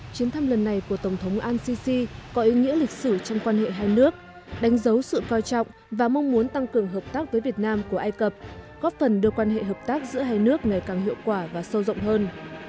chuyến thăm lần này của tổng thống al sisi có ý nghĩa lịch sử trong quan hệ hai nước đánh dấu sự coi trọng và mong muốn tăng cường hợp tác với việt nam của ai cập góp phần đưa quan hệ hợp tác giữa hai nước ngày càng hiệu quả và sâu rộng hơn